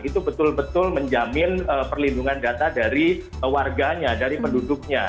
itu betul betul menjamin perlindungan data dari warganya dari penduduknya